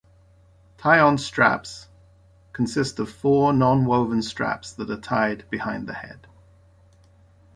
The tie-on straps consist of four non-woven straps that are tied behind the head.